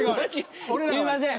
すいません。